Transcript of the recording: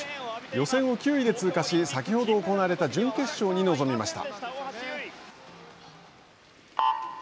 予選を９位で通過し先ほど行われた準決勝に臨みました。